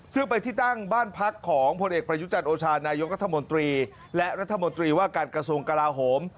ซึ่งไปที่ตั้งบ้านพักของพลเอกประยุจันทร์โอชานายกรัฐมนตรีและรัฐมนตรีว่าการกระทรวงกลาโหม